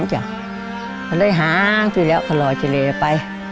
ข้าได้หาซิแล้วขาลอเจรภัยไป